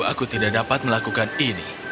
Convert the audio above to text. aku tidak dapat melakukan ini